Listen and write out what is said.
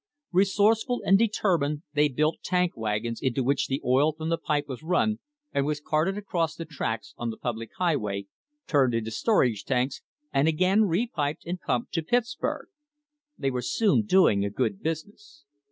Resourceful and deter lined they built tank wagons into which the oil from the pipe r as run and was carted across the tracks on the public high way, turned into storage tanks and again repiped and pumped to Pittsburg. They were soon doing a good business.